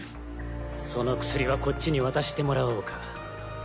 その薬はこっちに渡してもらおうか。